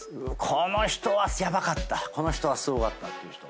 この人はヤバかったこの人はすごかったっていう人。